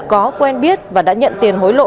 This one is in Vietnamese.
có quen biết và đã nhận tiền hối lộ